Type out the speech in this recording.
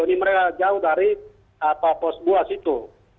ini mereka jauh dari pos buah situ